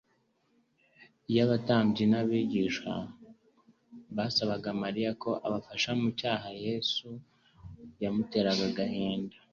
Iyo abatambyi n'abigisha basabaga Mariya ko abafasha mu gucyaha Yesu, byamuteraga agahinda;